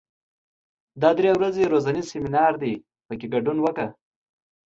دا درې ورځنی روزنیز سیمینار دی، په کې ګډون وکړه.